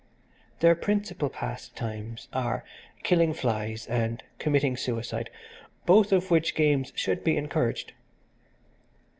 Their principal pastimes are killing flies and committing suicide both of which games should be encouraged.